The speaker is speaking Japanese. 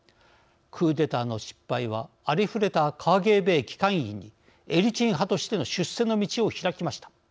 クーデターの失敗はありふれたＫＧＢ機関員にエリツィン派としての出世の道を開きました。